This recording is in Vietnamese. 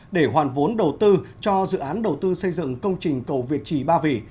để hoàn vốn đầu tư cho dự án đầu tư xây dựng công trình cầu việt trì ba vì